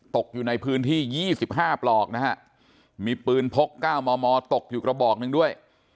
ตกอยู่ในพื้นที่๒๕ปลอกนะฮะมีปืนพก๙มมตกอยู่กระบอกหนึ่งด้วย